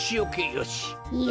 よし！